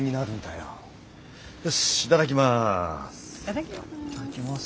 よしいただきます。